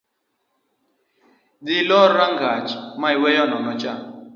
Dhii ilor rangach ma iweyo nono cha